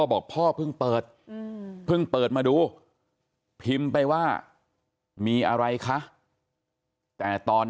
บอกพ่อเพิ่งเปิดเพิ่งเปิดมาดูพิมพ์ไปว่ามีอะไรคะแต่ตอน